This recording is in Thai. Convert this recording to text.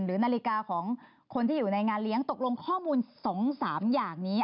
หรือนาฬิกาของคนที่อยู่ในงานเลี้ยงตกลงข้อมูล๒๓อย่างนี้